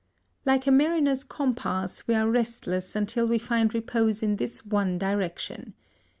Like a mariner's compass, we are restless until we find repose in this one direction.